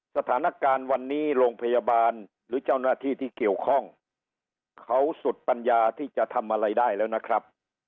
สถานการณ์วันนี้โรงพยาบาลหรือเจ้าหน้าที่ที่เกี่ยวข้องเขาสุดปัญญาที่จะทำอะไรได้แล้วนะครับ